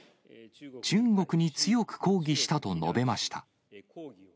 中国に強く抗議したと述べました。